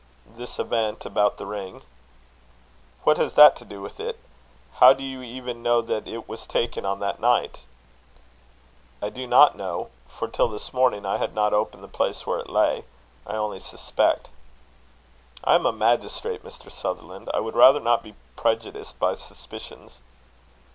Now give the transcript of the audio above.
"This event about the ring." "What has that to do with it? How do you even know that it was taken on that night?" "I do not know; for till this morning I had not opened the place where it lay: I only suspect." "I am a magistrate, Mr. Sutherland: I would rather not be prejudiced by suspicions."